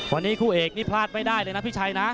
วันนี้คู่เอกนี่พลาดไม่ได้เลยนะพี่ชัยนะ